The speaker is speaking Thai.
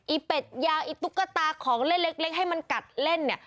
อี้เป็ดยางอี้ตุ๊กตาของเล็กให้มันกัดเล่น